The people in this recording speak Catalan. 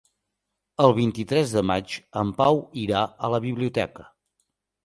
El vint-i-tres de maig en Pau irà a la biblioteca.